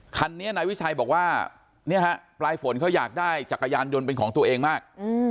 คันนี้นายวิชัยบอกว่าเนี่ยฮะปลายฝนเขาอยากได้จักรยานยนต์เป็นของตัวเองมาก